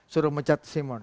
suruh mencat simon